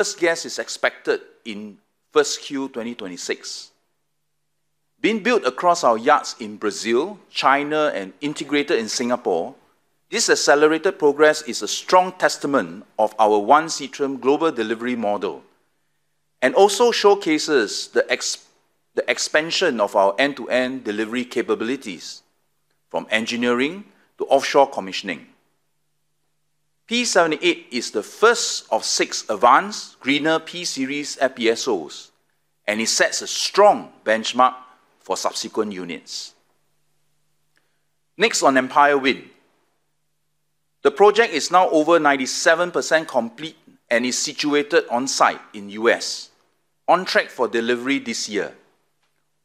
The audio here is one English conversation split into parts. First gas is expected in Q1 2026. Being built across our yards in Brazil, China, and integrated in Singapore, this accelerated progress is a strong testament of our One Seatrium Global Delivery Model, and also showcases the expansion of our end-to-end delivery capabilities, from engineering to offshore commissioning. P78 is the first of six advanced, greener P-series FPSOs, and it sets a strong benchmark for subsequent units. Next, on Empire Wind. The project is now over 97% complete and is situated on site in the U.S., on track for delivery this year.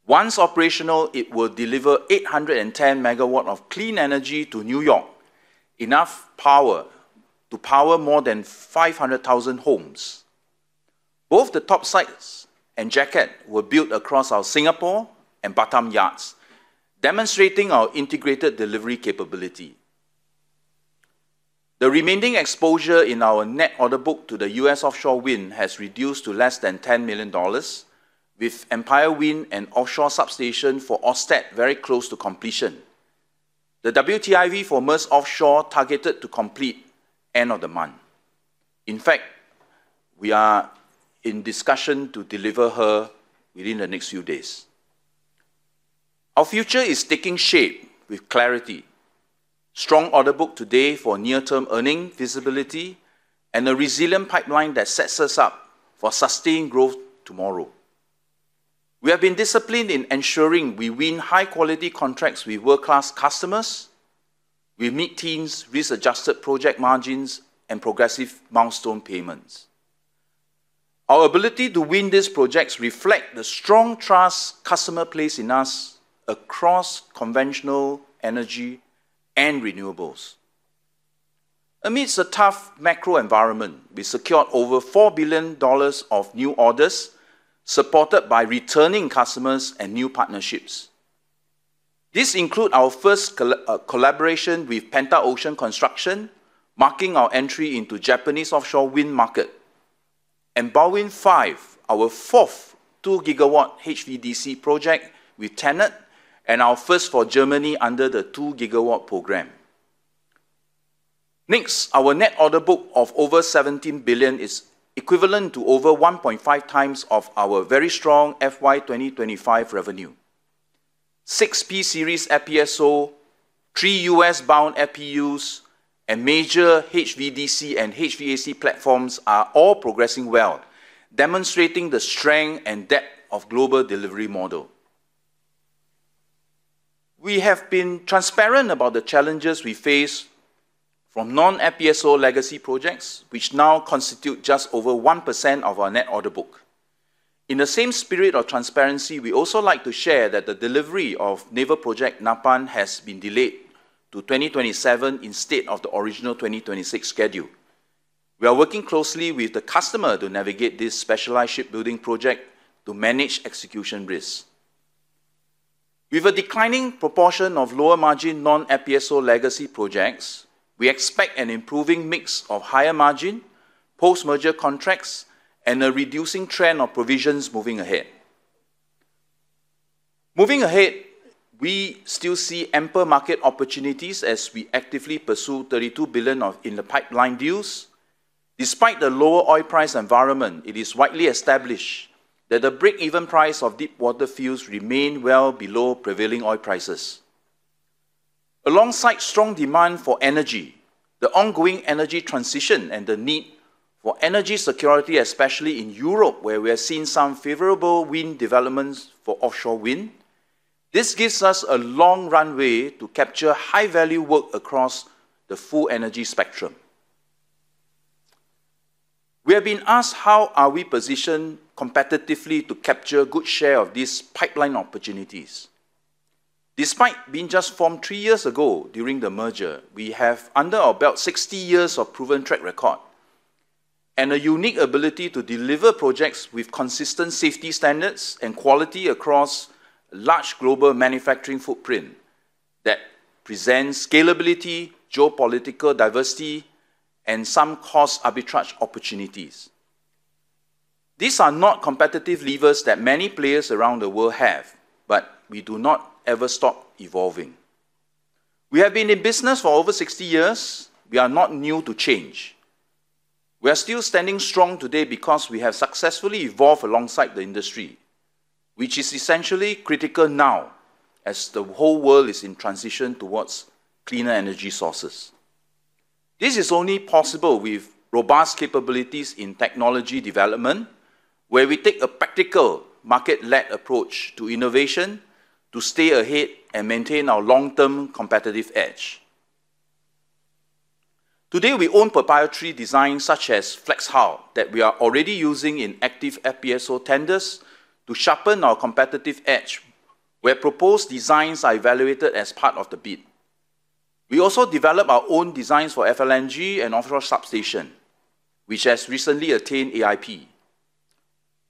Once operational, it will deliver 810 MW of clean energy to New York, enough power to power more than 500,000 homes. Both the top sites and jacket were built across our Singapore and Batam yards, demonstrating our integrated delivery capability. The remaining exposure in our net order book to the U.S. offshore wind has reduced to less than $10 million, with Empire Wind and offshore substation for Ørsted very close to completion. The WTIV for Maersk Offshore Wind targeted to complete end of the month. We are in discussion to deliver her within the next few days. Our future is taking shape with clarity, strong order book today for near-term earning visibility, and a resilient pipeline that sets us up for sustained growth tomorrow. We have been disciplined in ensuring we win high-quality contracts with world-class customers. We meet teams, risk-adjusted project margins, and progressive milestone payments. Our ability to win these projects reflect the strong trust customer place in us across conventional energy and renewables. Amidst a tough macro environment, we secured over $4 billion of new orders, supported by returning customers and new partnerships. This include our first collaboration with Penta-Ocean Construction, marking our entry into Japanese offshore wind market, and BalWin5, our fourth 2 GW HVDC project with TenneT, and our first for Germany under the 2 GW program. Next, our net order book of over 17 billion is equivalent to over 1.5x of our very strong FY 2025 revenue. 6 P-Series FPSO, three US-bound FPUs, and major HVDC and HVAC platforms are all progressing well, demonstrating the strength and depth of global delivery model. We have been transparent about the challenges we face from non-FPSO legacy projects, which now constitute just over 1% of our net order book. In the same spirit of transparency, we also like to share that the delivery of Naval Project Napan has been delayed to 2027 instead of the original 2026 schedule. We are working closely with the customer to navigate this specialized shipbuilding project to manage execution risks. With a declining proportion of lower-margin, non-FPSO legacy projects, we expect an improving mix of higher-margin, post-merger contracts and a reducing trend of provisions moving ahead. Moving ahead, we still see ample market opportunities as we actively pursue 32 billion of in-the-pipeline deals. Despite the lower oil price environment, it is widely established that the break-even price of deepwater fuels remain well below prevailing oil prices. Alongside strong demand for energy, the ongoing energy transition, and the need for energy security, especially in Europe, where we are seeing some favorable wind developments for offshore wind, this gives us a long runway to capture high-value work across the full energy spectrum. We have been asked how are we positioned competitively to capture a good share of these pipeline opportunities. Despite being just formed three years ago during the merger, we have, under our belt, 60 years of proven track record and a unique ability to deliver projects with consistent safety standards and quality across a large global manufacturing footprint that presents scalability, geopolitical diversity, and some cost arbitrage opportunities. These are not competitive levers that many players around the world have. We do not ever stop evolving. We have been in business for over 60 years. We are not new to change. We are still standing strong today because we have successfully evolved alongside the industry, which is essentially critical now, as the whole world is in transition towards cleaner energy sources. This is only possible with robust capabilities in technology development, where we take a practical, market-led approach to innovation to stay ahead and maintain our long-term competitive edge. Today, we own proprietary designs, such as FLEXHull, that we are already using in active FPSO tenders to sharpen our competitive edge, where proposed designs are evaluated as part of the bid. We also develop our own designs for FLNG and offshore substation, which has recently attained AIP.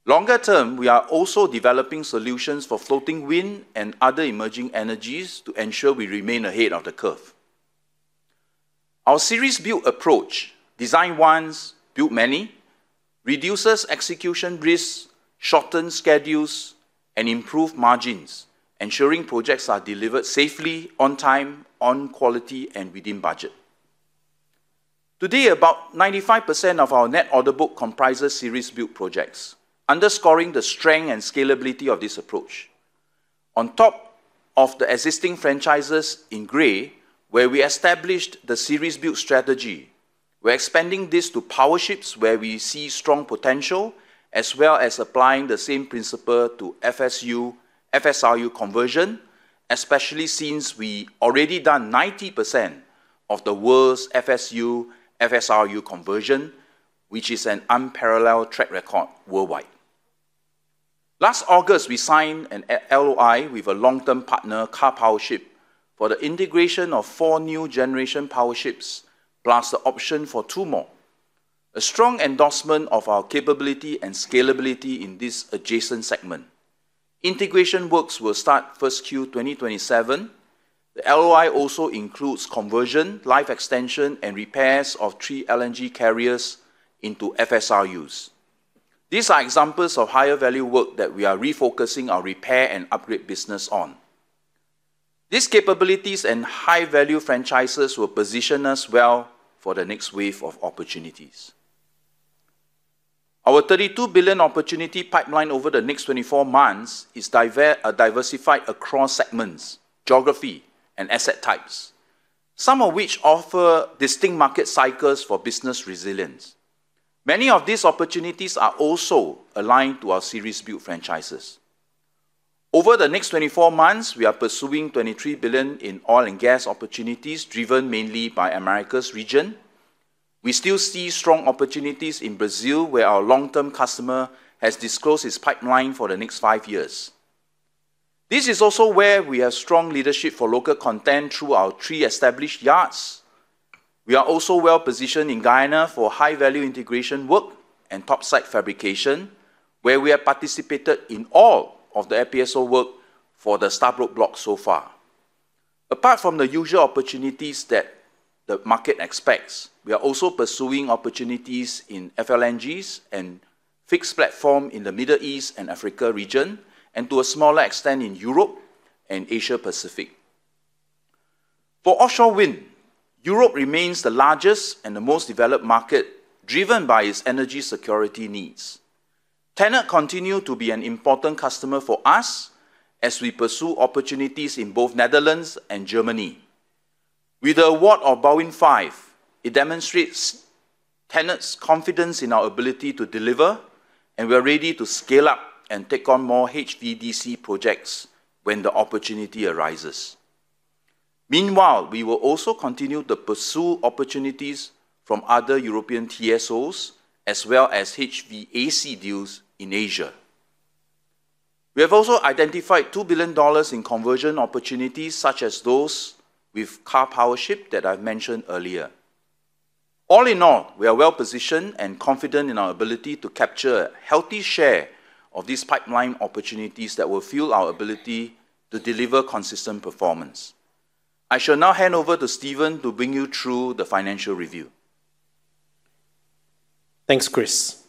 Longer term, we are also developing solutions for floating wind and other emerging energies to ensure we remain ahead of the curve. Our series build approach, design once, build many, reduces execution risks, shorten schedules, and improve margins, ensuring projects are delivered safely, on time, on quality, and within budget. Today, about 95% of our net order book comprises series build projects, underscoring the strength and scalability of this approach. On top of the existing franchises in gray, where we established the series build strategy, we're expanding this to Powerships where we see strong potential, as well as applying the same principle to FSU/FSRU conversion, especially since we already done 90% of the world's FSU/FSRU conversion, which is an unparalleled track record worldwide. Last August, we signed an LOI with a long-term partner, Karpowership, for the integration of four new generation Powerships, plus the option for two more, a strong endorsement of our capability and scalability in this adjacent segment. Integration works will start 1Q, 2027. The LOI also includes conversion, life extension, and repairs of threeLNG carriers into FSRUs. These are examples of higher value work that we are refocusing our repair and upgrade business on. These capabilities and high-value franchises will position us well for the next wave of opportunities. Our $32 billion opportunity pipeline over the next 24 months is diversified across segments, geography, and asset types, some of which offer distinct market cycles for business resilience. Many of these opportunities are also aligned to our series build franchises. Over the next 24 months, we are pursuing $23 billion in oil and gas opportunities, driven mainly by Americas region. We still see strong opportunities in Brazil, where our long-term customer has disclosed its pipeline for the next five years. This is also where we have strong leadership for local content through our three established yards. We are also well positioned in Guyana for high-value integration work and topside fabrication, where we have participated in all of the FPSO work for the Stabroek Block so far. Apart from the usual opportunities that the market expects, we are also pursuing opportunities in FLNGs and fixed platform in the Middle East and Africa region, and to a smaller extent, in Europe and Asia Pacific. For offshore wind, Europe remains the largest and the most developed market, driven by its energy security needs. TenneT continue to be an important customer for us as we pursue opportunities in both Netherlands and Germany. With the award of BalWin5, it demonstrates TenneT's confidence in our ability to deliver, and we are ready to scale up and take on more HVDC projects when the opportunity arises. Meanwhile, we will also continue to pursue opportunities from other European TSOs, as well as HVAC deals in Asia. We have also identified $2 billion in conversion opportunities, such as those with Karpowership that I've mentioned earlier. All in all, we are well-positioned and confident in our ability to capture a healthy share of these pipeline opportunities that will fuel our ability to deliver consistent performance. I shall now hand over to Stephen to bring you through the financial review. Thanks, Chris.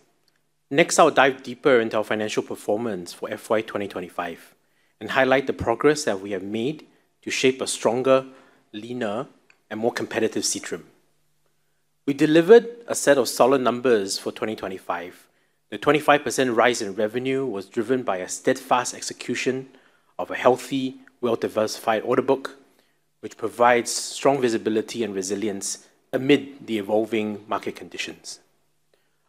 Next, I'll dive deeper into our financial performance for FY 2025 and highlight the progress that we have made to shape a stronger, leaner, and more competitive Seatrium. We delivered a set of solid numbers for 2025. The 25% rise in revenue was driven by a steadfast execution of a healthy, well-diversified order book, which provides strong visibility and resilience amid the evolving market conditions.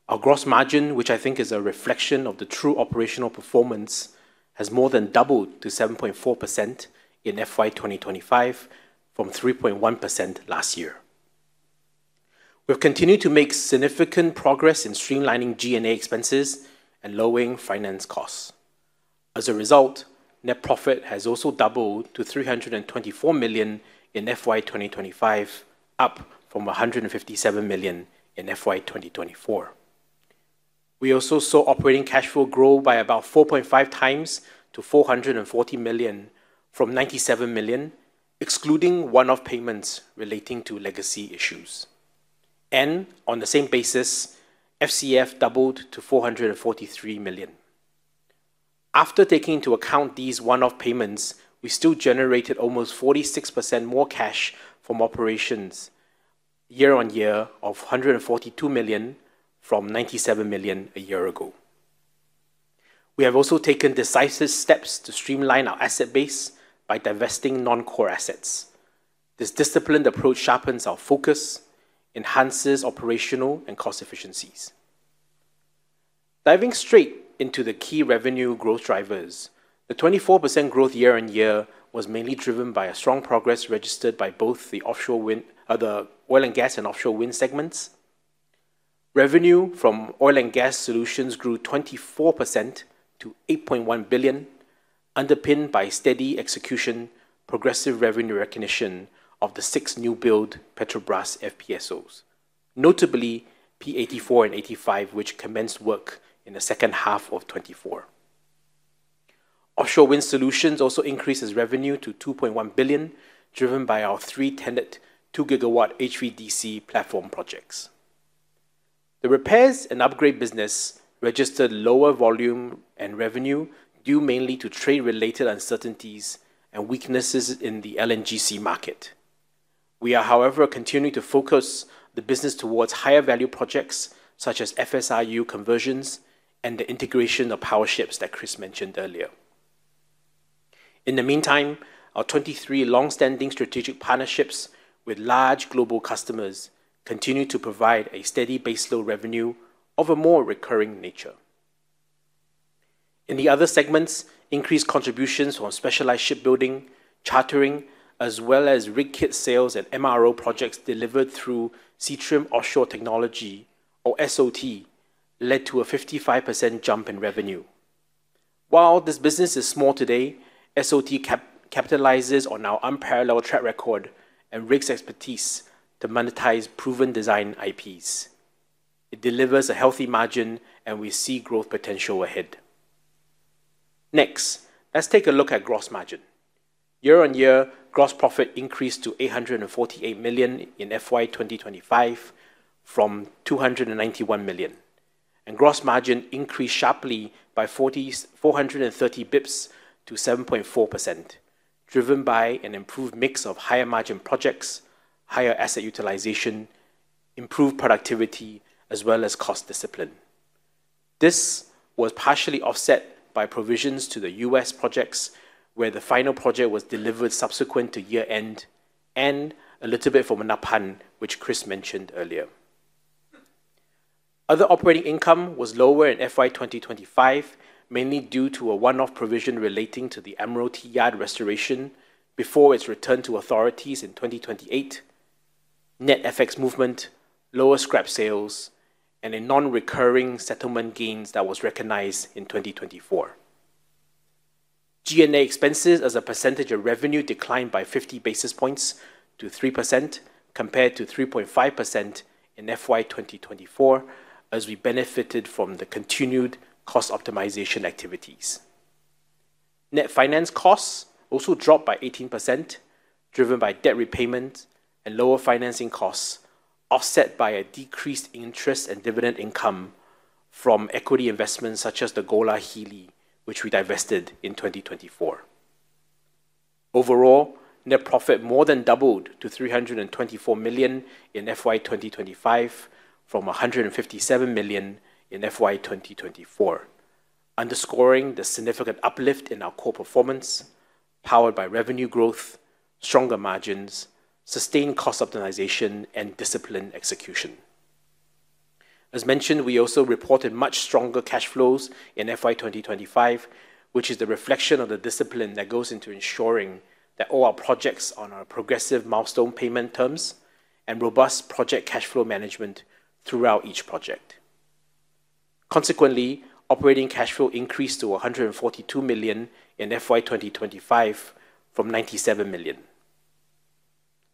Our gross margin, which I think is a reflection of the true operational performance, has more than doubled to 7.4% in FY 2025, from 3.1% last year. We've continued to make significant progress in streamlining G&A expenses and lowering finance costs. As a result, net profit has also doubled to 324 million in FY 2025, up from 157 million in FY 2024. We also saw operating cash flow grow by about 4.5x to 440 million from 97 million, excluding one-off payments relating to legacy issues. On the same basis, FCF doubled to 443 million. After taking into account these one-off payments, we still generated almost 46% more cash from operations year-on-year of 142 million from 97 million a year ago. We have also taken decisive steps to streamline our asset base by divesting non-core assets. This disciplined approach sharpens our focus, enhances operational and cost efficiencies. Diving straight into the key revenue growth drivers, the 24% growth year-on-year was mainly driven by a strong progress registered by both the oil and gas and offshore wind segments. Revenue from oil and gas solutions grew 24% to 8.1 billion, underpinned by steady execution, progressive revenue recognition of the six newbuild Petrobras FPSOs, notably P-84 and 85, which commenced work in the second half of 2024. Offshore Wind Solutions also increased its revenue to 2.1 billion, driven by our three TenneT, 2 GW HVDC platform projects. The repairs and upgrade business registered lower volume and revenue, due mainly to trade-related uncertainties and weaknesses in the LNGC market. We are, however, continuing to focus the business towards higher value projects, such as FSRU conversions and the integration of Powerships that Chris mentioned earlier. In the meantime, our 23 long-standing strategic partnerships with large global customers continue to provide a steady baseload revenue of a more recurring nature. In the other segments, increased contributions from specialized shipbuilding, chartering, as well as rig kit sales and MRO projects delivered through Seatrium Offshore Technology, or SOT, led to a 55% jump in revenue. While this business is small today, SOT capitalizes on our unparalleled track record and rigs expertise to monetize proven design IPs. It delivers a healthy margin, and we see growth potential ahead. Let's take a look at gross margin. Year-on-year, gross profit increased to 848 million in FY 2025 from 291 million, and gross margin increased sharply by 430 basis points to 7.4%, driven by an improved mix of higher margin projects, higher asset utilization, improved productivity, as well as cost discipline. This was partially offset by provisions to the U.S. projects, where the final project was delivered subsequent to year-end and a little bit from Naphan, which Chris mentioned earlier. Other operating income was lower in FY 2025, mainly due to a one-off provision relating to the Admiralty Yard restoration before its return to authorities in 2028, net FX movement, lower scrap sales, and a non-recurring settlement gains that was recognized in 2024. G&A expenses as a percentage of revenue declined by 50 basis points to 3%, compared to 3.5% in FY 2024, as we benefited from the continued cost optimization activities. Net finance costs also dropped by 18%, driven by debt repayment and lower financing costs, offset by a decreased interest and dividend income from equity investments such as the FLNG Hilli, which we divested in 2024. Overall, net profit more than doubled to 324 million in FY 2025 from 157 million in FY 2024, underscoring the significant uplift in our core performance, powered by revenue growth, stronger margins, sustained cost optimization, and disciplined execution. As mentioned, we also reported much stronger cash flows in FY 2025, which is the reflection of the discipline that goes into ensuring that all our projects are on our progressive milestone payment terms and robust project cash flow management throughout each project. Consequently, operating cash flow increased to 142 million in FY 2025 from 97 million.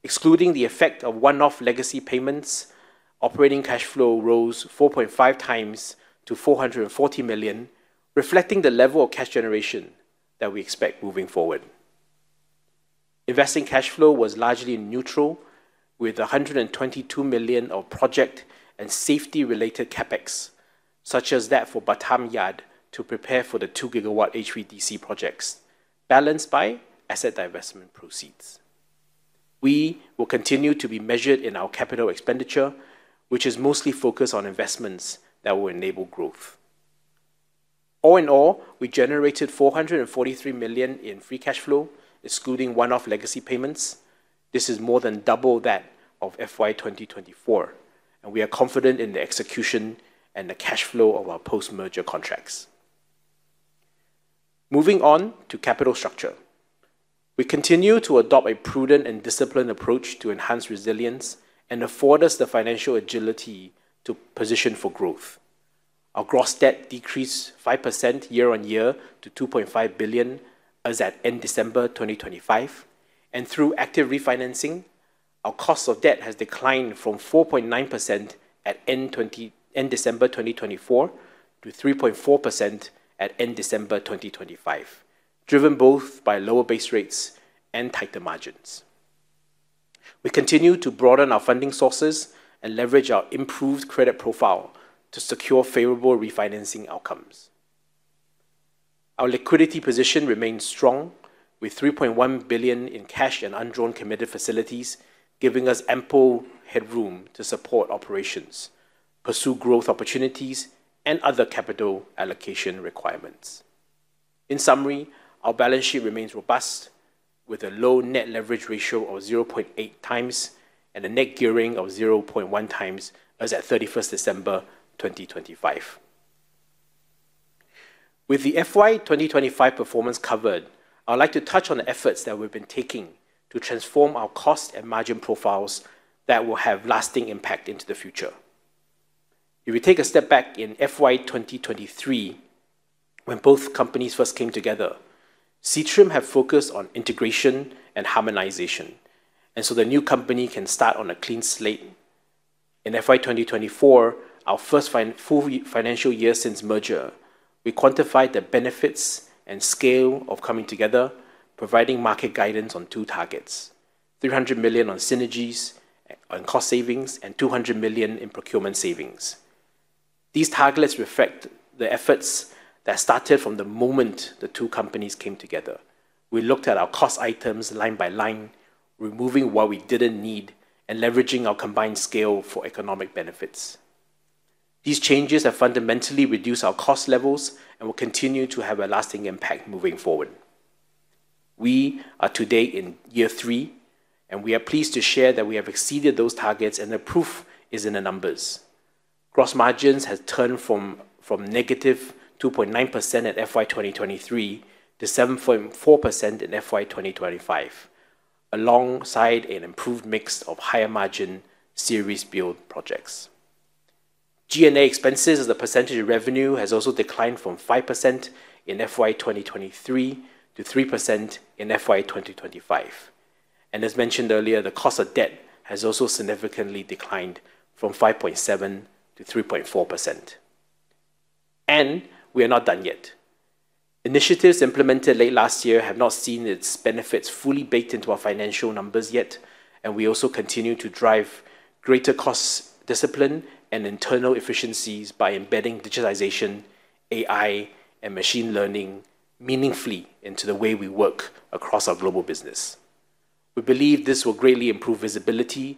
Excluding the effect of one-off legacy payments, operating cash flow rose 4.5x to 440 million, reflecting the level of cash generation that we expect moving forward. Investing cash flow was largely neutral, with 122 million of project and safety-related CapEx, such as that for Batam Yard, to prepare for the 2 GW HVDC projects, balanced by asset divestment proceeds. We will continue to be measured in our capital expenditure, which is mostly focused on investments that will enable growth. All in all, we generated 443 million in free cash flow, excluding one-off legacy payments. This is more than double that of FY 2024. We are confident in the execution and the cash flow of our post-merger contracts. Moving on to capital structure. We continue to adopt a prudent and disciplined approach to enhance resilience and afford us the financial agility to position for growth. Our gross debt decreased 5% year-on-year to 2.5 billion as at end December 2025. Through active refinancing, our cost of debt has declined from 4.9% at end December 2024 to 3.4% at end December 2025, driven both by lower base rates and tighter margins. We continue to broaden our funding sources and leverage our improved credit profile to secure favorable refinancing outcomes. Our liquidity position remains strong, with 3.1 billion in cash and undrawn committed facilities, giving us ample headroom to support operations, pursue growth opportunities, and other capital allocation requirements. In summary, our balance sheet remains robust, with a low net leverage ratio of 0.8x and a net gearing of 0.1x as at 31st December 2025. With the FY 2025 performance covered, I would like to touch on the efforts that we've been taking to transform our cost and margin profiles that will have lasting impact into the future. If we take a step back in FY 2023, when both companies first came together, Seatrium have focused on integration and harmonization, and so the new company can start on a clean slate. In FY 2024, our first financial year since merger, we quantified the benefits and scale of coming together, providing market guidance on two targets: 300 million on synergies, on cost savings, and 200 million in procurement savings. These targets reflect the efforts that started from the moment the two companies came together. We looked at our cost items line by line, removing what we didn't need, and leveraging our combined scale for economic benefits. These changes have fundamentally reduced our cost levels and will continue to have a lasting impact moving forward. We are today in year three, and we are pleased to share that we have exceeded those targets, and the proof is in the numbers. Gross margins has turned from negative 2.9% at FY 2023 to 7.4% in FY 2025, alongside an improved mix of higher-margin series build projects. G&A expenses as a percentage of revenue has also declined from 5% in FY 2023 to 3% in FY 2025. As mentioned earlier, the cost of debt has also significantly declined from 5.7% -3.4%. We are not done yet. Initiatives implemented late last year have not seen its benefits fully baked into our financial numbers yet, and we also continue to drive greater cost discipline and internal efficiencies by embedding digitization, AI, and machine learning meaningfully into the way we work across our global business. We believe this will greatly improve visibility,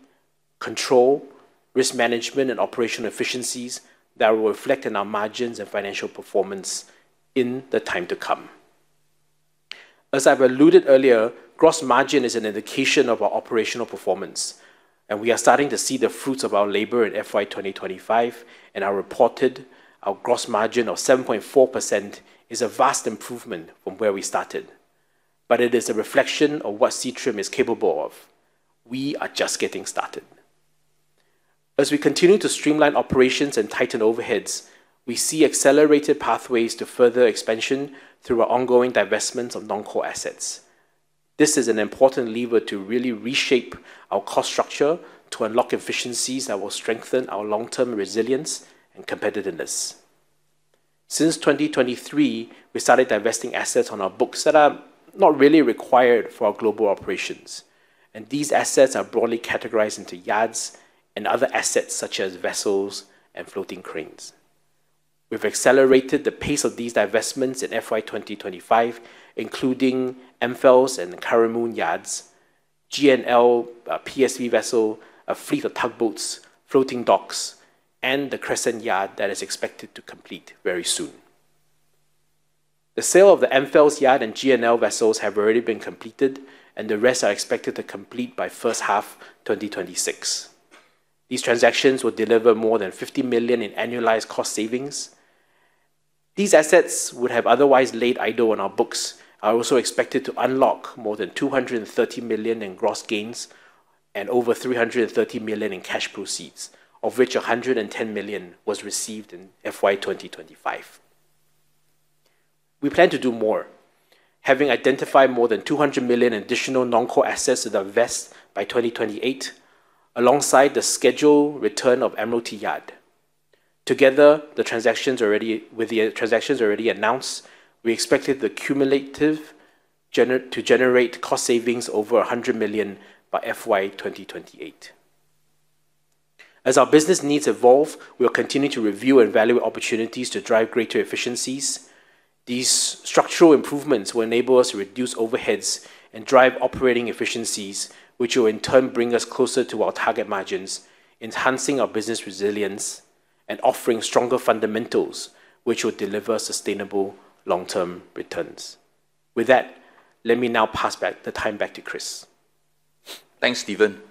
control, risk management, and operational efficiencies that will reflect in our margins and financial performance in the time to come. As I've alluded earlier, gross margin is an indication of our operational performance, and we are starting to see the fruits of our labor in FY 2025, and our reported gross margin of 7.4% is a vast improvement from where we started. It is a reflection of what Seatrium is capable of. We are just getting started. As we continue to streamline operations and tighten overheads, we see accelerated pathways to further expansion through our ongoing divestments of non-core assets. This is an important lever to really reshape our cost structure to unlock efficiencies that will strengthen our long-term resilience and competitiveness. Since 2023, we started divesting assets on our books that are not really required for our global operations. These assets are broadly categorized into yards and other assets, such as vessels and floating cranes. We've accelerated the pace of these divestments in FY 2025, including BrasFELS and Aracruz Yards, G&L, PSV vessel, a fleet of tugboats, floating docks, and the Crescent Yard that is expected to complete very soon. The sale of the BrasFELS Yard and G&L vessels have already been completed, and the rest are expected to complete by first half 2026. These transactions will deliver more than 50 million in annualized cost savings. These assets, would have otherwise laid idle on our books, are also expected to unlock more than 230 million in gross gains and over 330 million in cash proceeds, of which 110 million was received in FY 2025. We plan to do more. Having identified more than 200 million in additional non-core assets to divest by 2028, alongside the scheduled return of Admiralty Yard. Together, the transactions already announced, we expected to generate cost savings over 100 million by FY 2028. As our business needs evolve, we will continue to review and value opportunities to drive greater efficiencies. These structural improvements will enable us to reduce overheads and drive operating efficiencies, which will in turn bring us closer to our target margins, enhancing our business resilience and offering stronger fundamentals, which will deliver sustainable long-term returns. With that, let me now pass back the time back to Chris. Thanks, Stephen.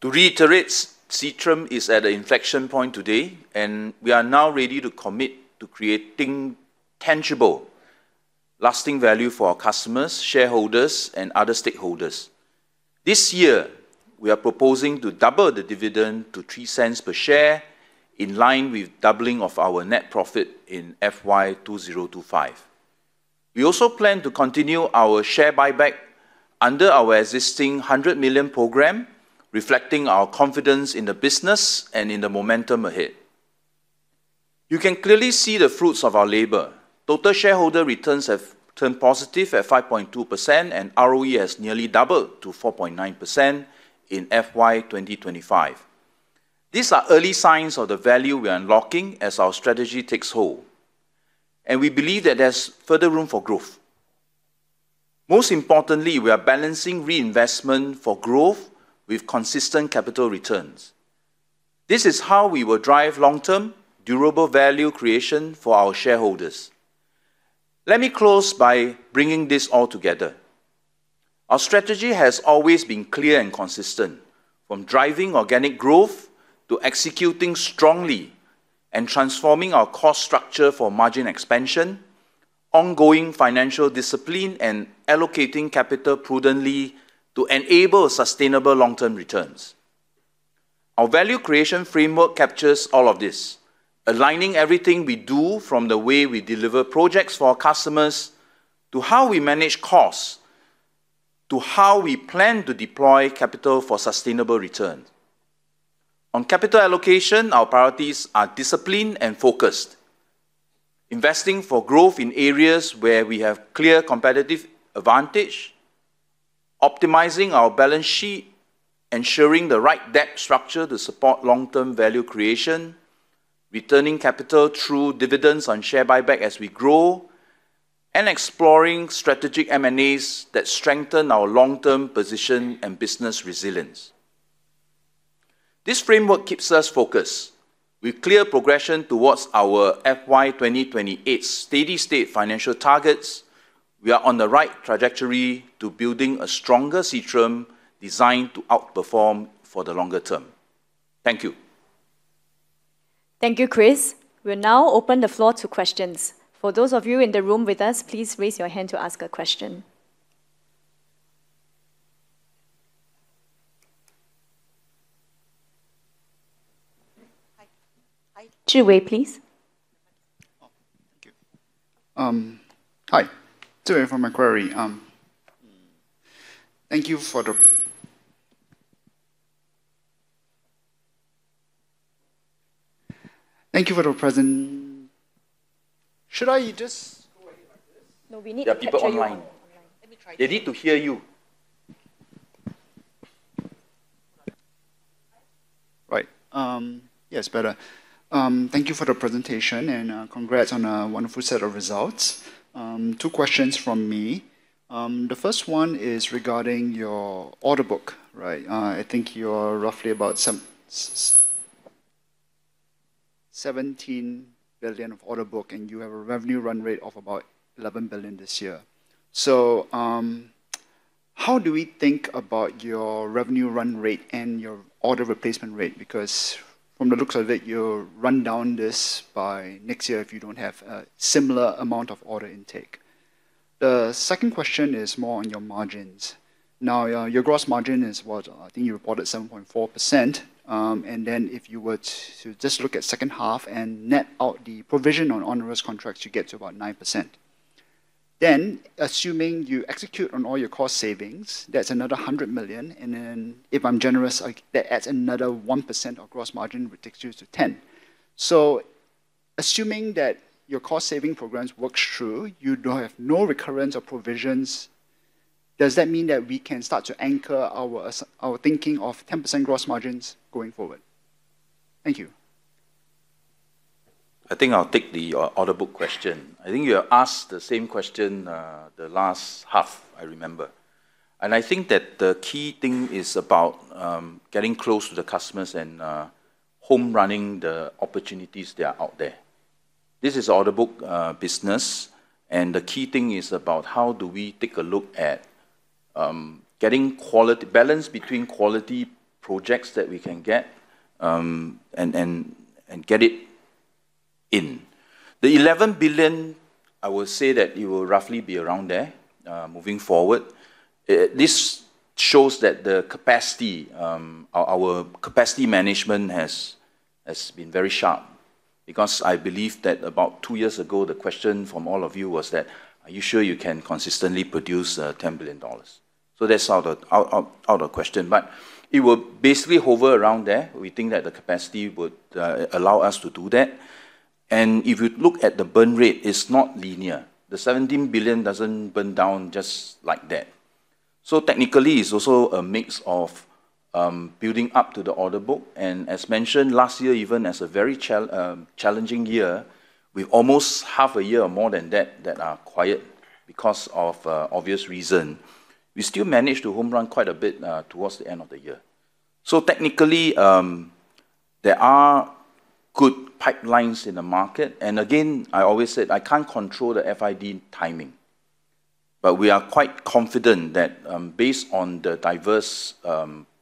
To reiterate, Seatrium is at an inflection point today, and we are now ready to commit to creating tangible, lasting value for our customers, shareholders, and other stakeholders. This year, we are proposing to double the dividend to 0.03 per share, in line with doubling of our net profit in FY 2025. We also plan to continue our share buyback under our existing 100 million program, reflecting our confidence in the business and in the momentum ahead. You can clearly see the fruits of our labor. Total shareholder returns have turned positive at 5.2%, and ROE has nearly doubled to 4.9% in FY 2025. These are early signs of the value we are unlocking as our strategy takes hold, and we believe that there's further room for growth. Most importantly, we are balancing reinvestment for growth with consistent capital returns. This is how we will drive long-term, durable value creation for our shareholders. Let me close by bringing this all together. Our strategy has always been clear and consistent, from driving organic growth to executing strongly and transforming our cost structure for margin expansion, ongoing financial discipline, and allocating capital prudently to enable sustainable long-term returns. Our value creation framework captures all of this, aligning everything we do from the way we deliver projects for our customers, to how we manage, to how we plan to deploy capital for sustainable return. On capital allocation, our priorities are disciplined and focused, investing for growth in areas where we have clear competitive advantage, optimizing our balance sheet, ensuring the right debt structure to support long-term value creation, returning capital through dividends on share buyback as we grow, and exploring strategic M&As that strengthen our long-term position and business resilience. This framework keeps us focused. With clear progression towards our FY 2028 steady-state financial targets, we are on the right trajectory to building a stronger Seatrium designed to outperform for the longer term. Thank you. Thank you, Chris. We'll now open the floor to questions. For those of you in the room with us, please raise your hand to ask a question. Hi. Zhiwei Foo, please. Oh, thank you. Hi, Zhiwei Foo from Macquarie. Thank you for the present--. Should I just go ahead like this? No, we need- There are people online. Let me try. They need to hear you. Right. Yes, better. Thank you for the presentation, congrats on a wonderful set of results. Two questions from me. The first one is regarding your order book, right? I think you're roughly about some $17 billion of order book, and you have a revenue run rate of about $11 billion this year. How do we think about your revenue run rate and your order replacement rate? Because from the looks of it, you'll run down this by next year if you don't have a similar amount of order intake. Your gross margin is what? I think you reported 7.4%. If you were to just look at second half and net out the provision on risk contracts, you get to about 9%. Assuming you execute on all your cost savings, that's another 100 million, and then if I'm generous, like, that adds another 1% of gross margin, which takes you to 10%. Assuming that your cost-saving programs works through, you don't have no recurrence or provisions, does that mean that we can start to anchor our thinking of 10% gross margins going forward? Thank you. I think I'll take the order book question. I think you have asked the same question the last half, I remember. I think that the key thing is about getting close to the customers and home running the opportunities that are out there. This is order book business, and the key thing is about how do we take a look at getting quality balance between quality projects that we can get and get it in. The $11 billion, I will say that it will roughly be around there moving forward. This shows that the capacity, our capacity management has been very sharp. I believe that about two years ago, the question from all of you was that, are you sure you can consistently produce $10 billion? That's out of question, but it will basically hover around there. We think that the capacity would allow us to do that. If you look at the burn rate, it's not linear. The 17 billion doesn't burn down just like that. Technically, it's also a mix of building up to the order book, and as mentioned, last year, even as a very challenging year, we almost half a year or more than that are quiet because of obvious reason. We still managed to home run quite a bit towards the end of the year. Technically, there are good pipelines in the market, and again, I always said I can't control the FID timing. We are quite confident that, based on the diverse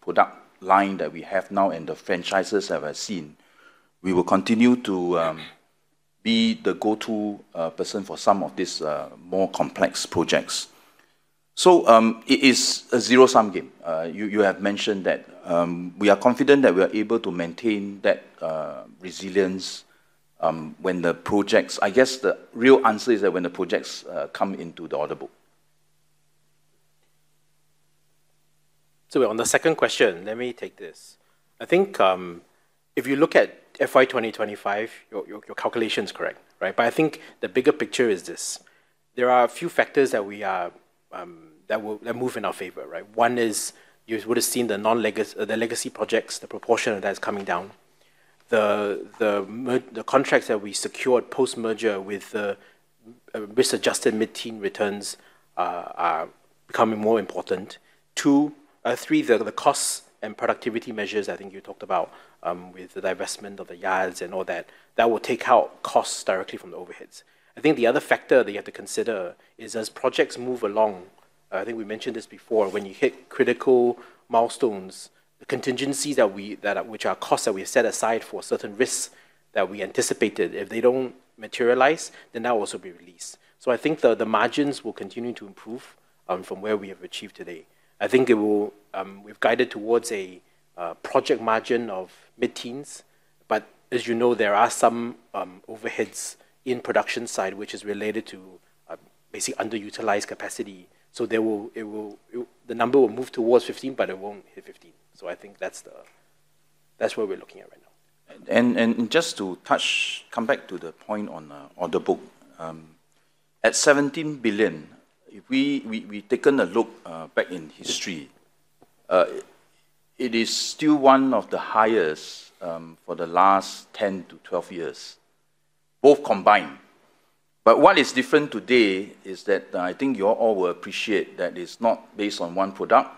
product line that we have now and the franchises that I've seen, we will continue to be the go-to person for some of these more complex projects. It is a zero-sum game. You have mentioned that we are confident that we are able to maintain that resilience. I guess the real answer is that when the projects come into the order book. On the second question, let me take this. I think, if you look at FY 2025, your, your calculation is correct, right. I think the bigger picture is this: There are a few factors that we are, that move in our favor, right. One is, you would have seen the legacy projects, the proportion of that is coming down. The contracts that we secured post-merger with, risk-adjusted mid-teen returns, are becoming more important. Two, three, the costs and productivity measures, I think you talked about, with the divestment of the yards and all that will take out costs directly from the overheads. I think the other factor that you have to consider is as projects move along, I think we mentioned this before, when you hit critical milestones, the contingencies which are costs that we've set aside for certain risks that we anticipated, if they don't materialize, then that will also be released. I think the margins will continue to improve from where we have achieved today. I think it will, we've guided towards project margin of mid-teens. But as you know, there are some overheads in production side, which is related to basically underutilized capacity. The number will move towards 15, but it won't hit 15. I think that's where we're looking at right now. Just to touch, come back to the point on order book. At 17 billion, if we've taken a look back in history, it is still one of the highest for the last 10 to 12 years, both combined. What is different today is that I think you all will appreciate that it's not based on one product,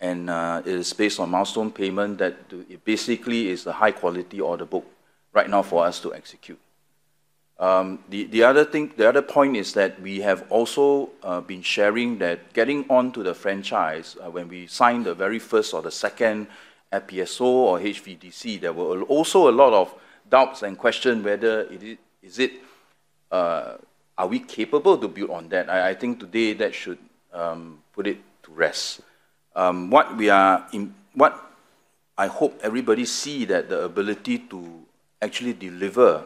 it is based on milestone payment, that it basically is a high quality order book right now for us to execute. The other point is that we have also been sharing that getting onto the franchise, when we signed the very first or the second FPSO or HVDC, there were also a lot of doubts and question whether it is it, are we capable to build on that? I think today that should put it to rest. What I hope everybody see that the ability to actually deliver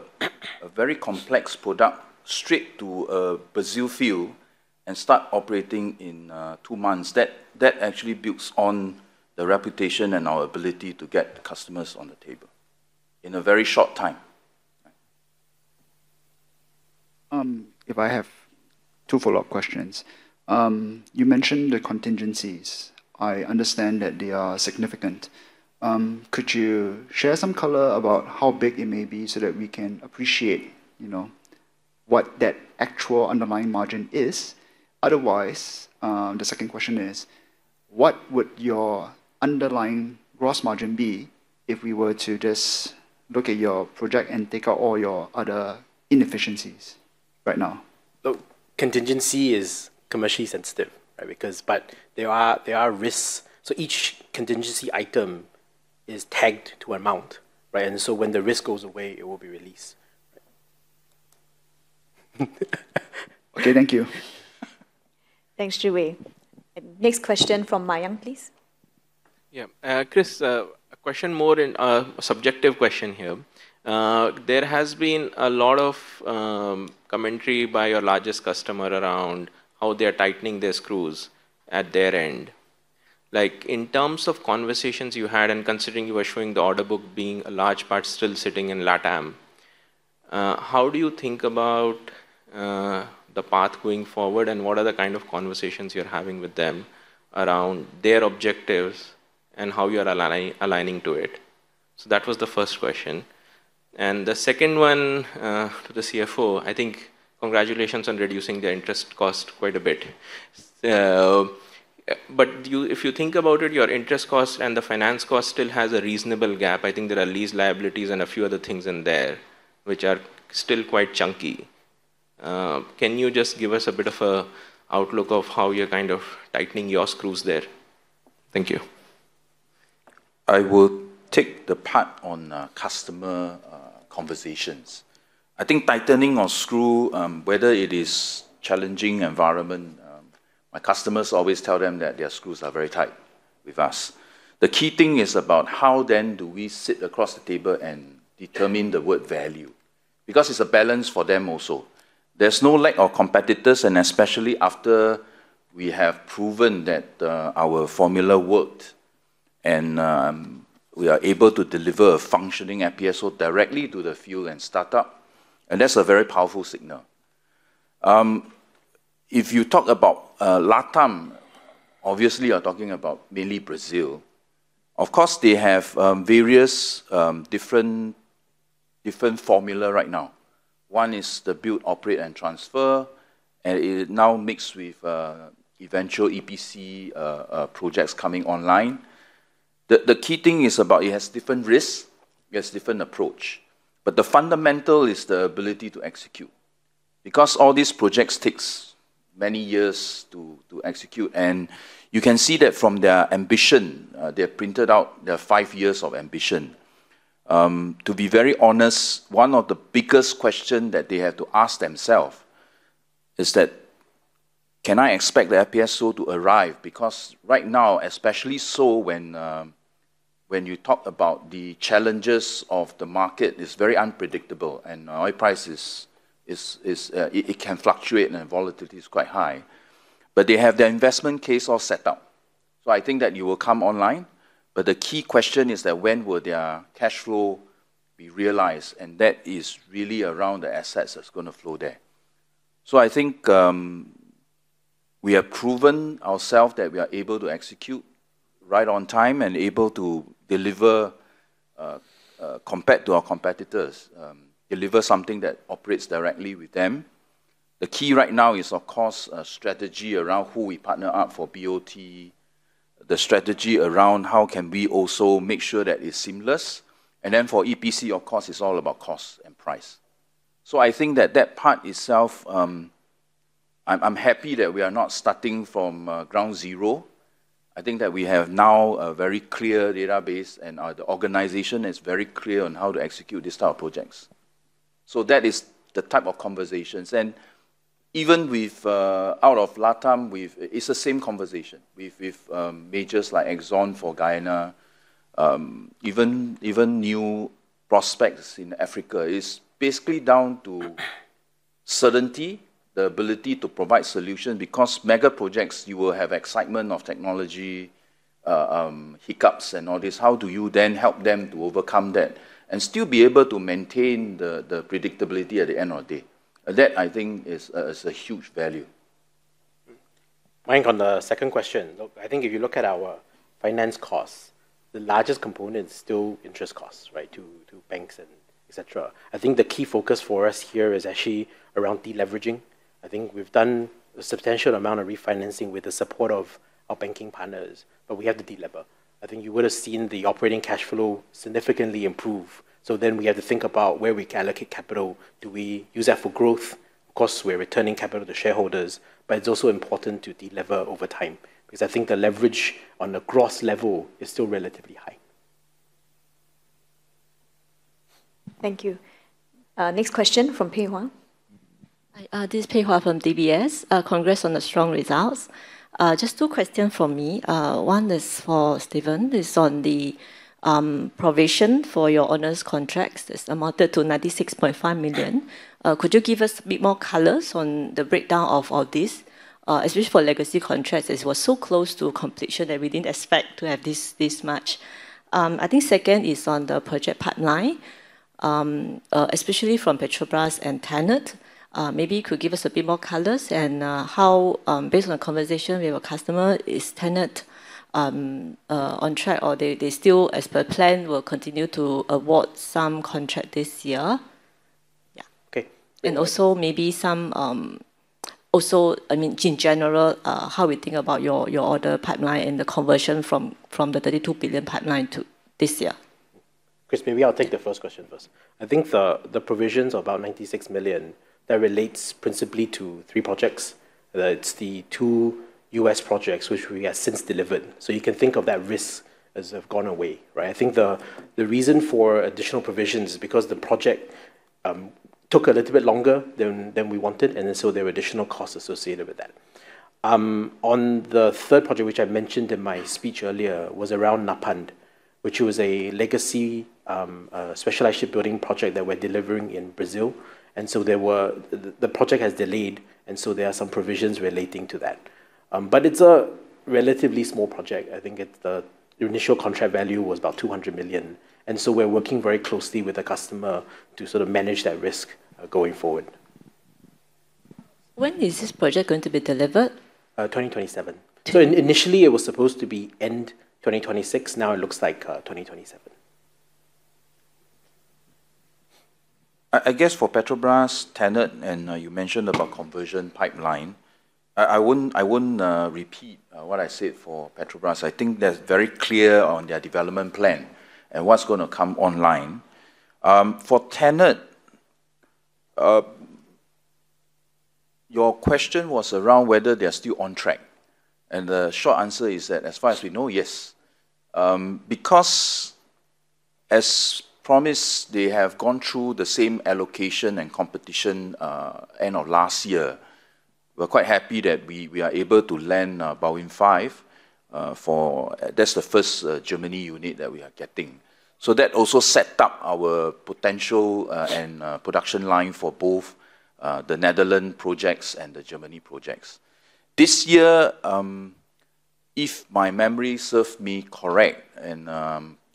a very complex product straight to a Brazil field and start operating in two months, that actually builds on the reputation and our ability to get the customers on the table in a very short time. If I have two follow-up questions. You mentioned the contingencies. I understand that they are significant. Could you share some color about how big it may be so that we can appreciate, you know, what that actual underlying margin is? Otherwise, the second question is, what would your underlying gross margin be if we were to just look at your project and take out all your other inefficiencies right now? Look, contingency is commercially sensitive, right? But there are risks. Each contingency item is tagged to amount, right? When the risk goes away, it will be released. Okay, thank you. Thanks, Zhiwei Foo. Next question from Mayank, please. Yeah. Chris, a question more in, a subjective question here. There has been a lot of commentary by your largest customer around how they are tightening their screws at their end. Like, in terms of conversations you had, and considering you were showing the order book being a large part still sitting in LATAM, how do you think about the path going forward, and what are the kind of conversations you're having with them around their objectives and how you are aligning to it? That was the first question. The second one, to the CFO, I think congratulations on reducing the interest cost quite a bit. If you think about it, your interest cost and the finance cost still has a reasonable gap. I think there are lease liabilities and a few other things in there which are still quite chunky. Can you just give us a bit of a outlook of how you're kind of tightening your screws there? Thank you. I will take the part on customer conversations. I think tightening of screw, whether it is challenging environment, my customers always tell them that their screws are very tight with us. The key thing is about how then do we sit across the table and determine the word value? It's a balance for them also. There's no lack of competitors, and especially after we have proven that our formula worked and we are able to deliver a functioning FPSO directly to the field and start up, and that's a very powerful signal. If you talk about LATAM, obviously, you're talking about mainly Brazil. They have various different different formula right now. One is the build, operate, and transfer, and it is now mixed with eventual EPC projects coming online. The key thing is about it has different risks, it has different approach, but the fundamental is the ability to execute. All these projects takes many years to execute, and you can see that from their ambition. They printed out their five years of ambition. To be very honest, one of the biggest question that they have to ask themselves is that, can I expect the FPSO to arrive? Right now, especially so when you talk about the challenges of the market, it's very unpredictable, and oil price is, it can fluctuate, and volatility is quite high. They have their investment case all set up. I think that you will come online, but the key question is that when will their cash flow be realized? That is really around the assets that's gonna flow there. I think, we have proven ourself that we are able to execute right on time and able to deliver, compared to our competitors, deliver something that operates directly with them. The key right now is, of course, a strategy around who we partner up for BOT, the strategy around how can we also make sure that it's seamless. For EPC, of course, it's all about cost and price. I think that that part itself, I'm happy that we are not starting from ground zero. I think that we have now a very clear database, and, the organization is very clear on how to execute this type of projects. That is the type of conversations. Even with out of Latam, it's the same conversation. With majors like ExxonMobil for Guyana, even new prospects in Africa, it's basically down to certainty, the ability to provide solution, because mega projects, you will have excitement of technology, hiccups and all this. How do you then help them to overcome that and still be able to maintain the predictability at the end of the day? That, I think, is a huge value. Mike, on the second question, look, I think if you look at our finance costs, the largest component is still interest costs, right, to banks and et cetera. I think the key focus for us here is actually around deleveraging. I think we've done a substantial amount of refinancing with the support of our banking partners, but we have to delever. I think you would have seen the operating cash flow significantly improve. We have to think about where we can allocate capital. Do we use that for growth? Of course, we're returning capital to shareholders, but it's also important to delever over time, because I think the leverage on the gross level is still relatively high. Thank you. Next question from Pei Hwa. Hi, this is Pei Hwa from DBS. Congrats on the strong results. Just two questions for me. One is for Stephen. It's on the provision for your onerous contracts. It's amounted to 96.5 million. Could you give us a bit more colors on the breakdown of this, especially for legacy contracts, as it was so close to completion that we didn't expect to have this much. I think second is on the project pipeline, especially from Petrobras and TenneT. Maybe you could give us a bit more colors and how, based on a conversation with your customer, is TenneT on track, or they still, as per plan, will continue to award some contract this year? Okay. Also maybe some, also, I mean, in general, how we think about your other pipeline and the conversion from the $32 billion pipeline to this year. Chris, maybe I'll take the first question first. I think the provisions of about 96 million, that relates principally to three projects. It's the two U.S. projects, which we have since delivered. You can think of that risk as have gone away, right? I think the reason for additional provisions is because the project took a little bit longer than we wanted, there were additional costs associated with that. On the 3rd project, which I mentioned in my speech earlier, was around Napan, which was a legacy specialized shipbuilding project that we're delivering in Brazil. The project has delayed, there are some provisions relating to that. It's a relatively small project. I think it's the initial contract value was about 200 million. We're working very closely with the customer to sort of manage that risk going forward. When is this project going to be delivered? 2027. Initially, it was supposed to be end 2026, now it looks like 2027. I guess for Petrobras, TenneT, and you mentioned about conversion pipeline, I wouldn't repeat what I said for Petrobras. I think they're very clear on their development plan and what's gonna come online. For TenneT, your question was around whether they are still on track, and the short answer is that as far as we know, yes. Because as promised, they have gone through the same allocation and competition end of last year. We're quite happy that we are able to land BalWin5 for that's the first Germany unit that we are getting. That also set up our potential and production line for both the Netherland projects and the Germany projects. This year, if my memory serves me correct,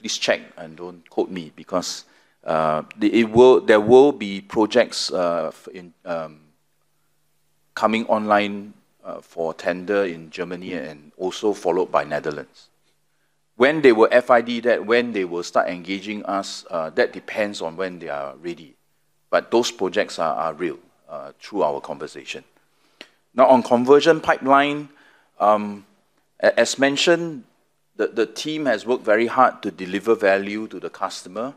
please check and don't quote me, because there will be projects in coming online for tender in Germany and also followed by Netherlands. When they will FID that, when they will start engaging us, that depends on when they are ready. Those projects are real through our conversation. On conversion pipeline, as mentioned, the team has worked very hard to deliver value to the customer.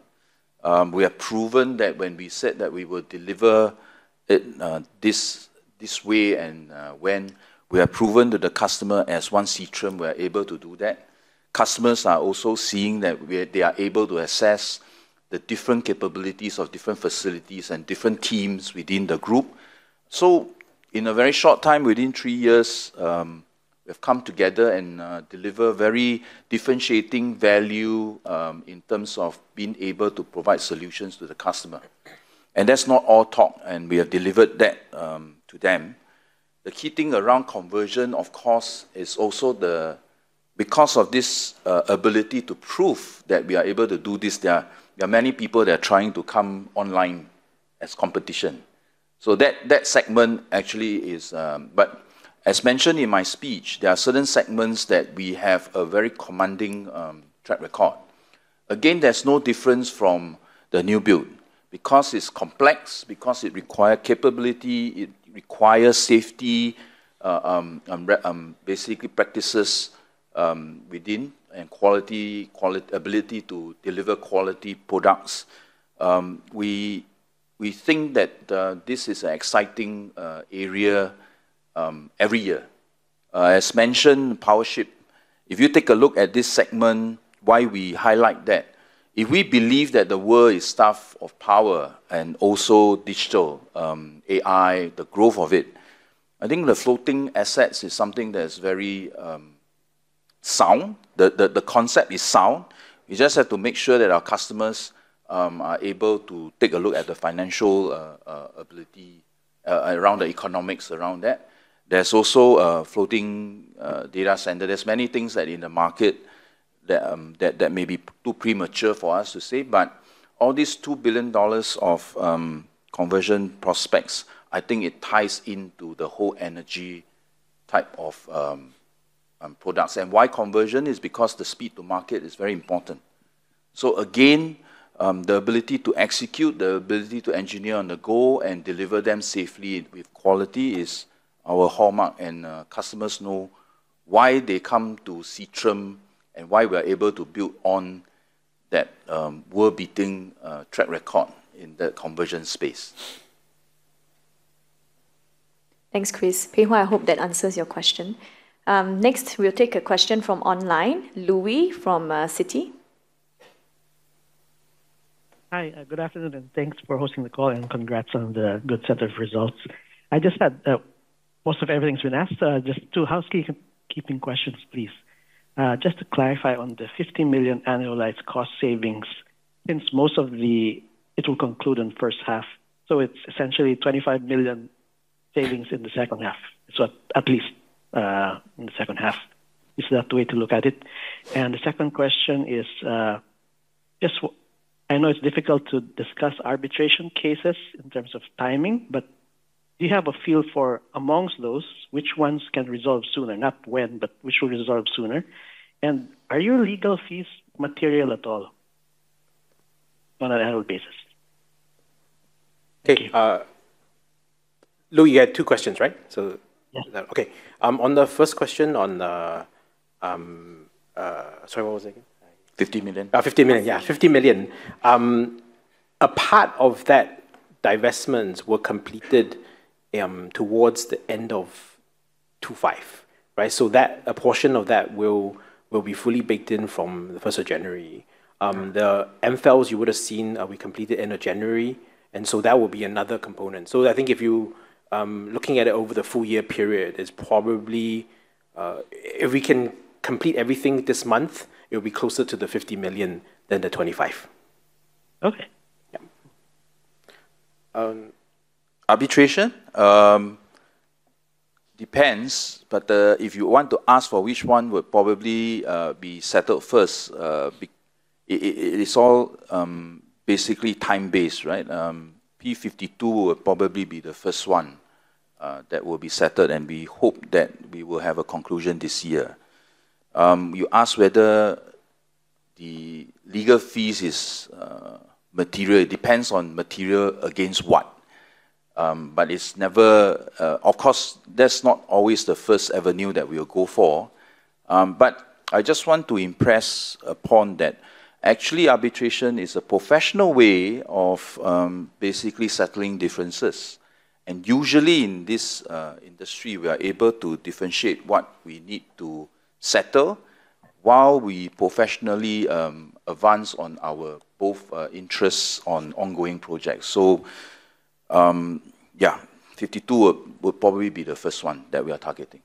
We have proven that when we said that we would deliver it this way, when we have proven to the customer as one system, we are able to do that. Customers are also seeing that they are able to assess the different capabilities of different facilities and different teams within the group. In a very short time, within three years, we've come together and deliver very differentiating value in terms of being able to provide solutions to the customer. That's not all talk, and we have delivered that to them. The key thing around conversion, of course, is also because of this ability to prove that we are able to do this, there are many people that are trying to come online as competition. That, that segment actually is. As mentioned in my speech, there are certain segments that we have a very commanding track record. There's no difference from the new build, because it's complex, because it require capability, it requires safety, and basically practices within, and quality ability to deliver quality products. We think that this is an exciting area every year. As mentioned, Powership, if you take a look at this segment, why we highlight that? We believe that the world is starved of power and also digital, AI, the growth of it, I think the floating assets is something that is very sound. The concept is sound. We just have to make sure that our customers are able to take a look at the financial ability around the economics around that. There's also a floating data center. There's many things that in the market that may be too premature for us to say, but all these $2 billion of conversion prospects, I think it ties into the whole energy type of products. Why conversion? Is because the speed to market is very important. Again, the ability to execute, the ability to engineer on the go and deliver them safely with quality is our hallmark, and customers know why they come to Seatrium and why we are able to build on that world-beating track record in the conversion space. Thanks, Chris. Pei Hwa, I hope that answers your question. Next, we'll take a question from online, Luis from Citi. Hi, good afternoon, and thanks for hosting the call, and congrats on the good set of results. I just had, most of everything's been asked. Just two housekeeping questions, please. Just to clarify on the 50 million annualized cost savings, since most of the... It will conclude in the first half, so it's essentially 25 million savings in the second half. At least, in the second half. Is that the way to look at it? The second question is, I know it's difficult to discuss arbitration cases in terms of timing, but do you have a feel for, amongst those, which ones can resolve sooner? Not when, but which will resolve sooner. Are your legal fees material at all on an annual basis? Okay. Thank you. Luis, you had two questions, right? Yeah. Okay. Sorry, what was it again? 50 million. 50 million. 50 million. A part of that divestments were completed towards the end of 2025, right? That, a portion of that will be fully baked in from the 1st of January. The AmFELS, you would have seen, we completed end of January. That will be another component. I think if you, looking at it over the full year period, it's probably, if we can complete everything this month, it will be closer to the 50 million than the 25 million. Okay. Yeah. Arbitration depends, but if you want to ask for which one would probably be settled first, it is all basically time-based, right? P-52 will probably be the first one that will be settled, and we hope that we will have a conclusion this year. You asked whether the legal fees is material. It depends on material against what? But it's never. Of course, that's not always the first avenue that we will go for. But I just want to impress upon that, actually, arbitration is a professional way of basically settling differences. Usually, in this industry, we are able to differentiate what we need to settle while we professionally advance on our both interests on ongoing projects. Yeah, P-52 will probably be the first one that we are targeting.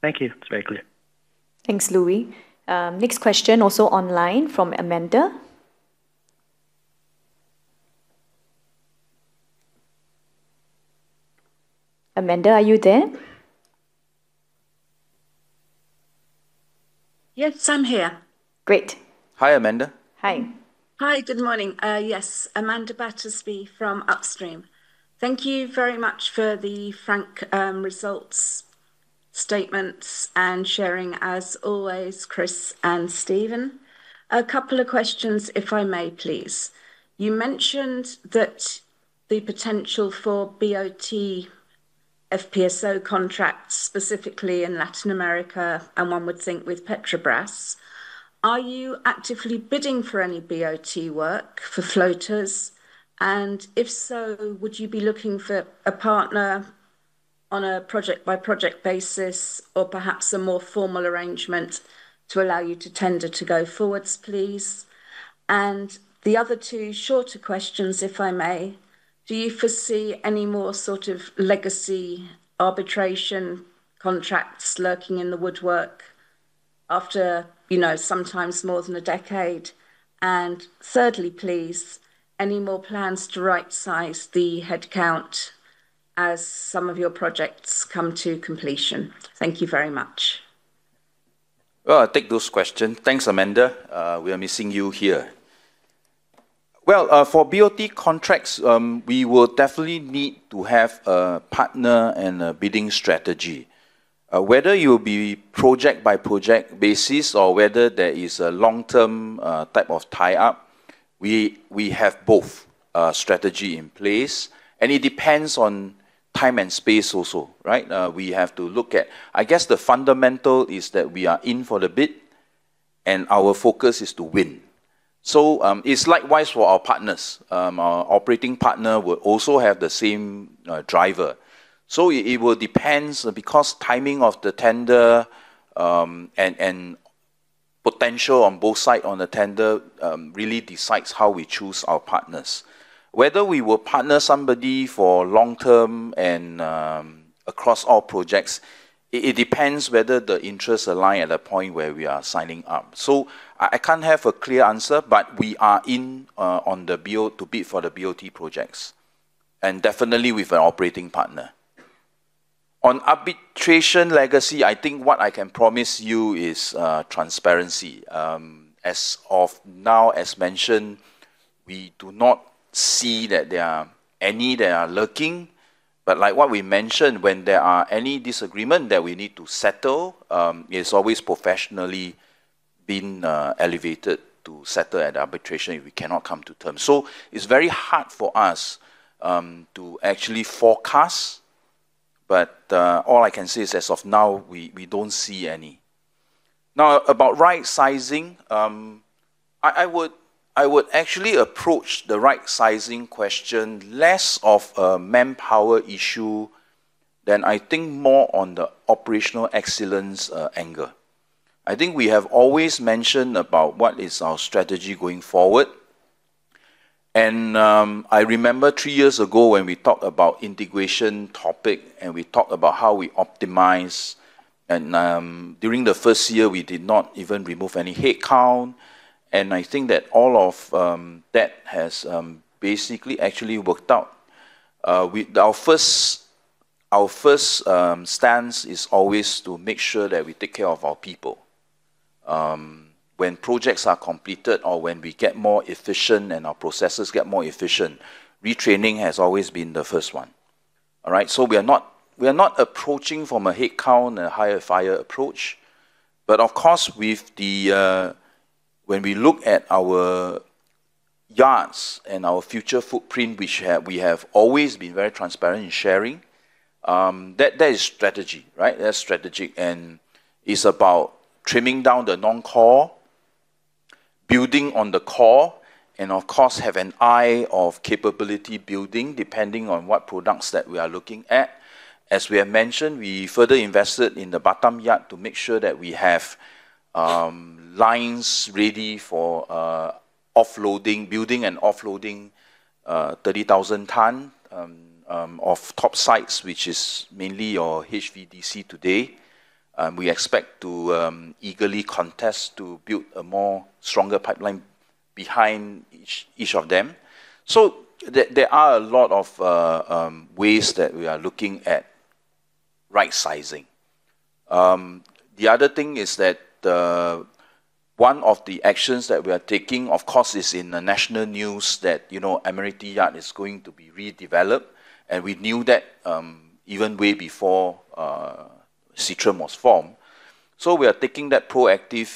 Thank you. It's very clear. Thanks, Luis. Next question, also online from Amanda. Amanda, are you there? Yes, I'm here. Great. Hi, Amanda. Hi. Hi, good morning. Yes, Amanda Battersby from Upstream. Thank you very much for the frank results, statements, and sharing as always, Chris and Stephen. A couple of questions, if I may, please. You mentioned that the potential for BOT FPSO contracts, specifically in Latin America, and one would think with Petrobras, are you actively bidding for any BOT work for floaters? If so, would you be looking for a partner on a project-by-project basis or perhaps a more formal arrangement to allow you to tender to go forward, please? The other two shorter questions, if I may: Do you foresee any more sort of legacy arbitration contracts lurking in the woodwork after, you know, sometimes more than a decade? Thirdly, please, any more plans to rightsize the headcount as some of your projects come to completion? Thank you very much. Well, I'll take those question. Thanks, Amanda. We are missing you here. Well, for BOT contracts, we will definitely need to have a partner and a bidding strategy. Whether you'll be project-by-project basis or whether there is a long-term, type of tie-up, we have both, strategy in place, and it depends on time and space also, right? We have to look at... I guess the fundamental is that we are in for the bid and our focus is to win. It's likewise for our partners. Our operating partner will also have the same, driver. It will depends, because timing of the tender, and potential on both sides on the tender, really decides how we choose our partners. Whether we will partner somebody for long-term and across all projects, it depends whether the interests align at the point where we are signing up. I can't have a clear answer, but we are to bid for the BOT projects, and definitely with an operating partner. On arbitration legacy, I think what I can promise you is transparency. As of now, as mentioned, we do not see that there are any that are lurking. Like what we mentioned, when there are any disagreement that we need to settle, it's always professionally been elevated to settle at arbitration if we cannot come to terms. It's very hard for us to actually forecast, but all I can say is as of now, we don't see any. Now, about right sizing, I would actually approach the right sizing question less of a manpower issue than I think more on the operational excellence angle. I think we have always mentioned about what is our strategy going forward. I remember three years ago when we talked about integration topic, and we talked about how we optimize. During the first year, we did not even remove any headcount. I think that all of that has basically actually worked out. Our first stance is always to make sure that we take care of our people. When projects are completed or when we get more efficient and our processes get more efficient, retraining has always been the first one. All right? We are not approaching from a headcount and a hire-fire approach, of course, with the when we look at our yards and our future footprint, which we have always been very transparent in sharing, that is strategy, right? That's strategy, it's about trimming down the non-core, building on the core, and of course, have an eye of capability building, depending on what products that we are looking at. As we have mentioned, we further invested in the Batam Yard to make sure that we have lines ready for offloading, building and offloading 30,000 ton of top sites, which is mainly your HVDC today. We expect to eagerly contest to build a more stronger pipeline behind each of them. There are a lot of ways that we are looking at right sizing. The other thing is that one of the actions that we are taking, of course, is in the national news, that, you know, Admiralty Yard is going to be redeveloped, and we knew that even way before Seatrium was formed. We are taking that proactive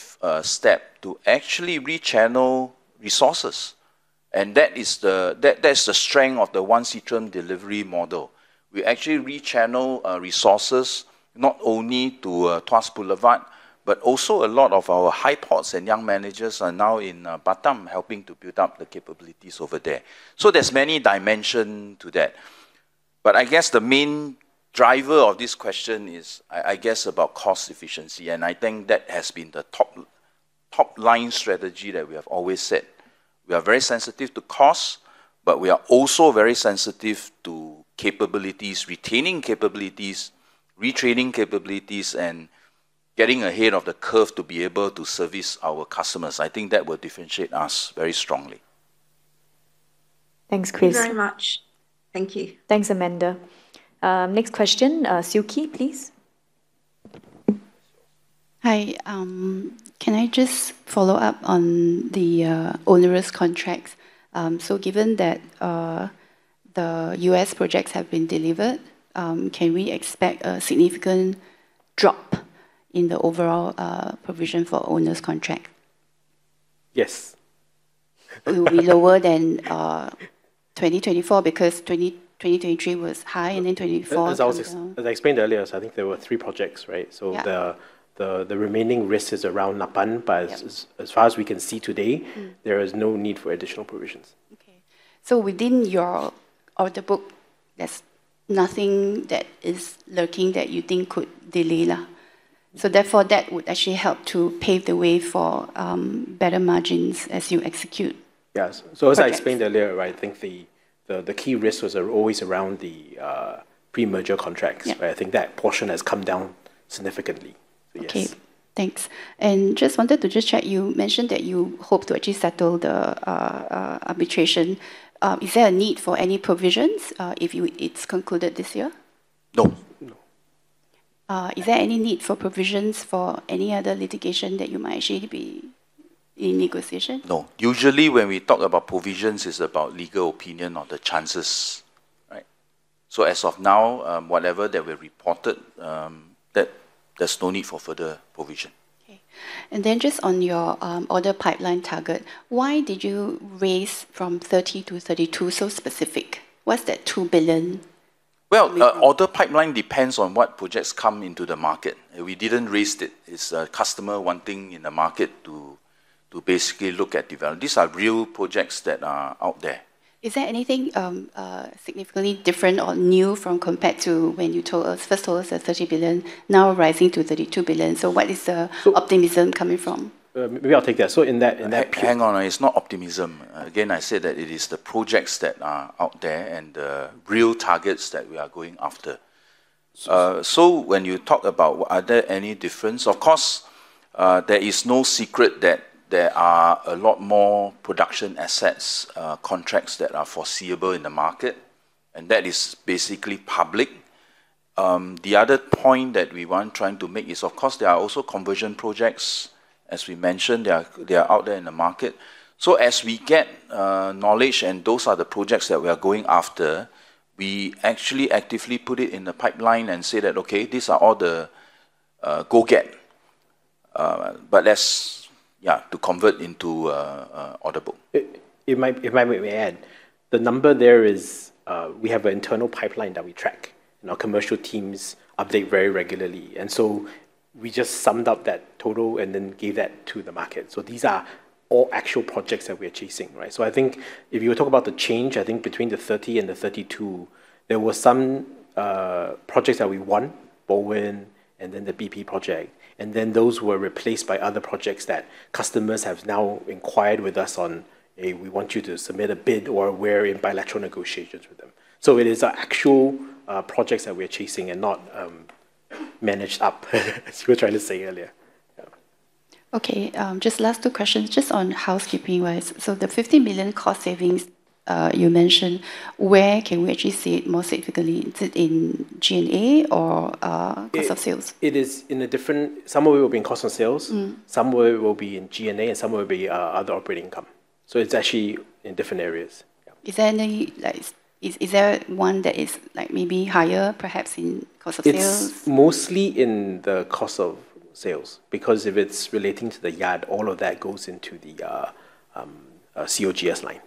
step to actually rechannel resources, and that is the strength of the One Seatrium delivery model. We actually rechannel resources not only to Tuas Boulevard, but also a lot of our high pots and young managers are now in Batam, helping to build up the capabilities over there. There's many dimension to that. I guess the main driver of this question is, I guess, about cost efficiency, and I think that has been the top-line strategy that we have always set. We are very sensitive to cost, but we are also very sensitive to capabilities, retaining capabilities, retraining capabilities, and getting ahead of the curve to be able to service our customers. I think that will differentiate us very strongly. Thanks, Chris. Thank you very much. Thank you. Thanks, Amanda. Next question, Siew Khee, please. Hi. Can I just follow up on the onerous contracts? Given that the U.S. projects have been delivered, can we expect a significant drop in the overall provision for onerous contract? Yes. It will be lower than 2024 because 2023 was high, and then 2024- As I explained earlier, I think there were three projects, right? Yeah. The remaining risk is around Napan. Yep... as far as we can see today. Mm-hmm there is no need for additional provisions. Okay. Within your order book, there's nothing that is lurking that you think could delay now? Therefore, that would actually help to pave the way for better margins as you execute? Yes. Perfect. As I explained earlier, I think the key risks are always around the pre-merger contracts. Yeah. I think that portion has come down significantly. Yes. Okay, thanks. Just wanted to check, you mentioned that you hope to actually settle the arbitration. Is there a need for any provisions if it's concluded this year? No. No. Is there any need for provisions for any other litigation that you might actually be in negotiation? No. Usually, when we talk about provisions, it's about legal opinion or the chances, right? As of now, whatever that were reported, that there's no need for further provision. Okay. Just on your order pipeline target, why did you raise from 30 to 32 so specific? What's that $2 billion? Well, order pipeline depends on what projects come into the market. We didn't raise it. It's a customer wanting in the market to basically look at develop. These are real projects that are out there. Is there anything significantly different or new from compared to when you told us, first told us that $30 billion now rising to $32 billion? So- optimism coming from? Maybe I'll take that. In that. Hang on. It's not optimism. Again, I said that it is the projects that are out there and the real targets that we are going after. When you talk about are there any difference? Of course, there is no secret that there are a lot more production assets, contracts that are foreseeable in the market, and that is basically public. The other point that we want trying to make is, of course, there are also conversion projects. As we mentioned, they are out there in the market. As we get knowledge, and those are the projects that we are going after, we actually actively put it in the pipeline and say that, "Okay, these are all the go get," let's, yeah, to convert into a audible. If I may add, the number there is, we have an internal pipeline that we track, and our commercial teams update very regularly. We just summed up that total and then gave that to the market. These are all actual projects that we are chasing, right? I think if you talk about the change, I think between the 30 and the 32, there were some projects that we won, BalWin and then the BP project, and then those were replaced by other projects that customers have now inquired with us on, "Hey, we want you to submit a bid," or we're in bilateral negotiations with them. It is actual, projects that we are chasing and not managed up, as we were trying to say earlier. Yeah. Just last two questions. Just on housekeeping-wise, the 50 million cost savings you mentioned, where can we actually see it most significantly? Is it in G&A or cost of sales? It is. Some of it will be in cost of sales. Mm. Some of it will be in G&A, and some of it will be other operating income. It's actually in different areas. Yeah. Is there any, like, is there one that is, like, maybe higher, perhaps in cost of sales? It's mostly in the cost of sales, because if it's relating to the yard, all of that goes into the COGS line.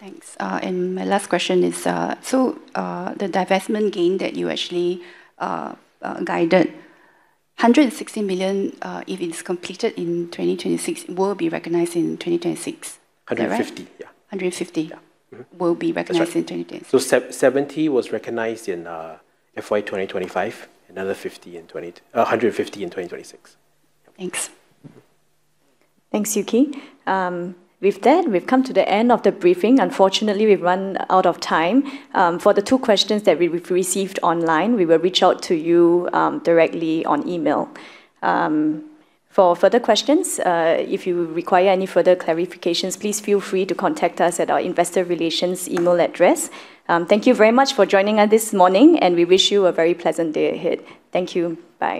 Thanks. My last question is, the divestment gain that you actually guided, 160 million, if it's completed in 2026, will be recognized in 2026. Is that right? 150, yeah. SGD 150. Yeah. Mm-hmm. will be recognized. That's right. in 2026. 70 was recognized in FY 2025, another 150 in 2026. Thanks. Thanks, Siew Khee. With that, we've come to the end of the briefing. Unfortunately, we've run out of time. For the two questions that we've received online, we will reach out to you directly on email. For further questions, if you require any further clarifications, please feel free to contact us at our investor relations email address. Thank you very much for joining us this morning, and we wish you a very pleasant day ahead. Thank you. Bye.